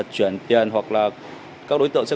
chuyển tiền hoặc là các đối tượng sẽ